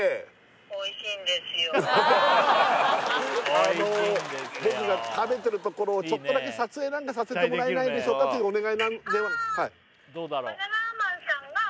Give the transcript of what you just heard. あの僕が食べてるところをちょっとだけ撮影なんかさせてもらえないでしょうかというお願い